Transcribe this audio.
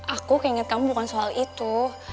aku keinget kamu bukan soal itu